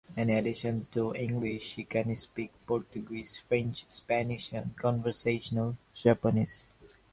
In addition to English, she can speak Portuguese, French, Spanish, and conversational Japanese.